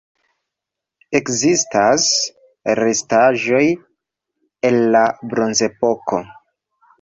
Ekzistas restaĵoj el la bronzepoko.